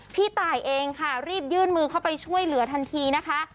พี่ตายเองค่ะรีบยื่นมือเข้าไปช่วยเหลือทันทีนะคะ